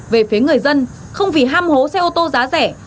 về phía người dân không vì ham hố xe ô tô giá rẻ